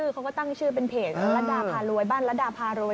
เขาก็ตั้งชื่อเป็นเพจรัฐดาพารวยบ้านระดาพารวย